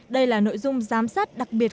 đây là nội dung giám sát